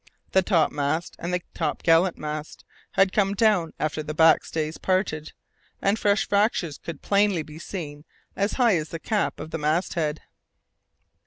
The topmast and the top gallant mast had come down after the back stays parted, and fresh fractures could plainly be seen as high as the cap of the masthead.